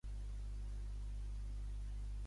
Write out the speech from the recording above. En troba pertot i tots els acaba descartant.